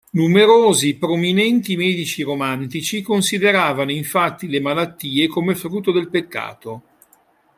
Numerosi prominenti medici romantici consideravano infatti le malattie come frutto del peccato.